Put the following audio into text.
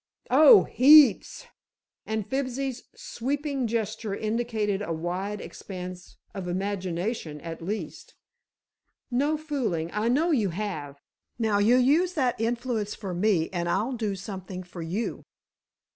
"Oh, heaps!" and Fibsy's sweeping gesture indicated a wide expanse of imagination, at least. "No fooling; I know you have. Now, you use that influence for me and I'll do something for you."